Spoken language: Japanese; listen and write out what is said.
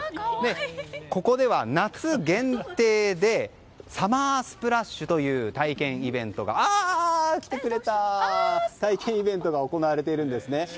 ここでは、夏限定でサマースプラッシュという体験イベントが行われているんですね。